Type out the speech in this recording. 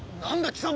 貴様！